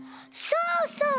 そうそう。